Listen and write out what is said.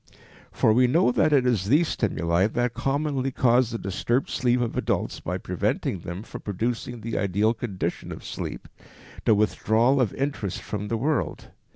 For we know that it is these stimuli that commonly cause the disturbed sleep of adults by preventing them from producing the ideal condition of sleep, the withdrawal of interest from the world.